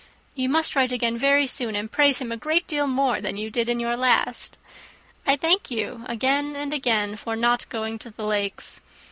You must write again very soon, and praise him a great deal more than you did in your last. I thank you again and again, for not going to the Lakes.